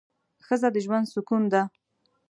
ښځه د ژوند سکون دی